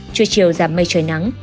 trưa chiều giảm mây trời nắng